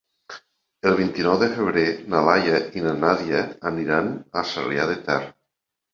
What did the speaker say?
El vint-i-nou de febrer na Laia i na Nàdia aniran a Sarrià de Ter.